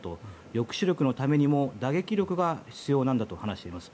抑止力のためにも打撃力が必要なんだと話しています。